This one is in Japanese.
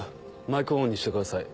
マイクをオンにしてください